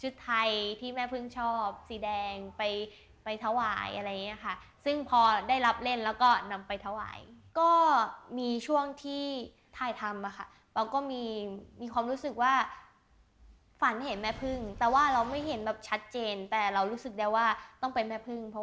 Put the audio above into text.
ให้พี่ดูค่ะปรากฎว่ารอบที่สองก็ผ่านแล้วเราก็คือตอนระหว่างรออะไร